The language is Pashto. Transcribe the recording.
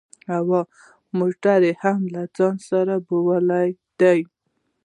هو موټر يې هم له ځان سره بيولی دی.